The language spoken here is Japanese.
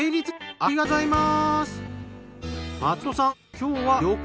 ありがとうございます。